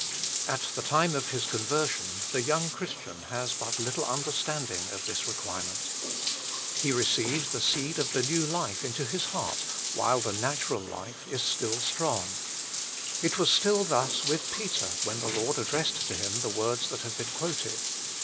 At the time of his conversion the young Christian has but little understanding of this requirement. He receives the seed of the new life into his heart while the natural life is still strong. It was still thus with Peter when the Lord addressed to him the words that have been quoted.